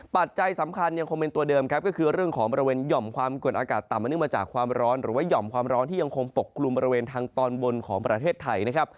ปัจจัยสำคัญยังคงเป็นตัวเดิมครับก็คือเรื่องของบริเวณหย่อมความกดอากาศต่ำมาเนื่องมาจากความร้อนหรือว่าห่อมความร้อนที่ยังคงปกกลุ่มบริเวณทางตอนบนของประเทศไทยนะครับ